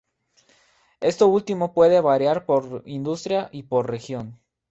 Esto último puede variar por industria y por región.